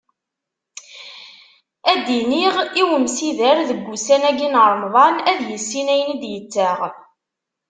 Ad d-iniɣ i umsider deg ussan-agi n Remḍan, ad yissin ayen i d-yettaɣ.